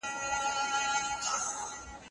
ایا ستا په زړه کې لا هم د کابل مینه شته؟